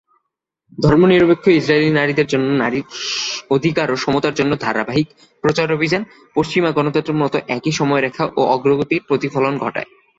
ধর্মনিরপেক্ষ ইসরায়েলি নারীদের জন্য নারীর অধিকার ও সমতার জন্য ধারাবাহিক প্রচারাভিযান পশ্চিমা গণতন্ত্রের মতো একই সময়রেখা ও অগ্রগতির প্রতিফলন ঘটায়।